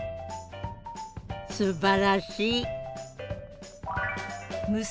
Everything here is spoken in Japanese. すばらしい！